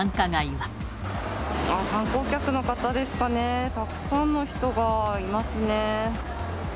観光客の方ですかね、たくさんの人がいますね。